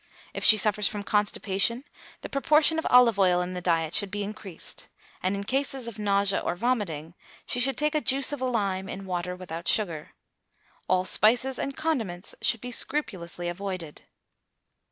If she suffers from constipation, the proportion of olive oil in the diet should be increased; and in cases of nausea or vomitting, she should take juice of lime in water without sugar. All spices and condiments should be scrupulously avoided.